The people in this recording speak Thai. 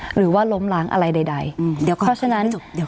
หรือว่าล้มล้างอะไรใดเพราะฉะนั้น